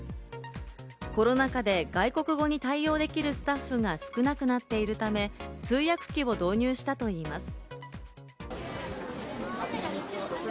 コロナ禍で外国語に対応できるスタッフが少なくなっているため、通訳機を導入したといいます。